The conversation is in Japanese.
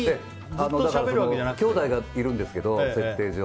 きょうだいがいるんですけど設定上。